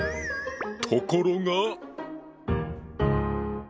ところが。